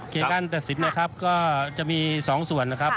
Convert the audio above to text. การตัดสินนะครับก็จะมี๒ส่วนนะครับ